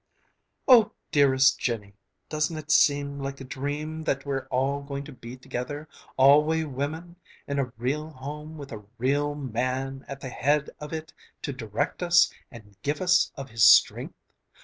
"Oh, dearest Jinny, doesn't it seem like a dream that we're all going to be together, all we women, in a real home, with a real man at the head of it to direct us and give us of his strength!